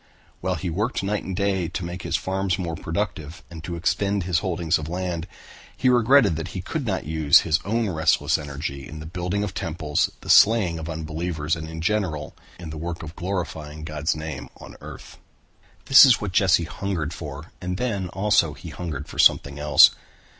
While he worked night and day to make his farms more productive and to extend his holdings of land, he regretted that he could not use his own restless energy in the building of temples, the slaying of unbelievers and in general in the work of glorifying God's name on earth. That is what Jesse hungered for and then also he hungered for something else.